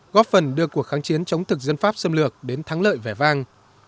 góp phần đưa cuộc kháng chiến chống thực dân pháp xâm lược đến thắng lợi vẻ vang